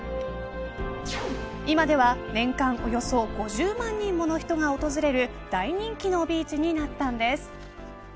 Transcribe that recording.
今では年間およそ５０万人もの人が訪れる大人気のビーチになったんです。